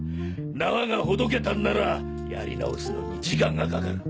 縄がほどけたんならやり直すのに時間がかかる。